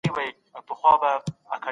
ستا هوښیارتیا زما ژوند هم بدل کړ.